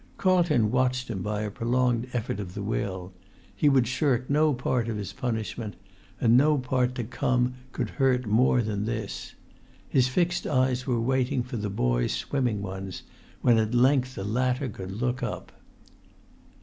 Carlton watched him by a prolonged effort of the will; he would shirk no part of his punishment; and no part to come could hurt much more than this. His fixed eyes were waiting for the boy's swimming ones when at length the latter could look up.